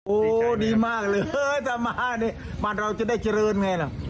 โอ้ดีมากเลยถ้ามาเนี่ยบ้านเราจะได้เจริญไงล่ะ